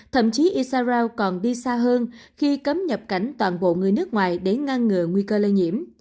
thậm chí isarao còn đi xa hơn khi cấm nhập cảnh toàn bộ người nước ngoài để ngăn ngừa nguy cơ lây nhiễm